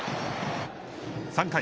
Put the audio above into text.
３回。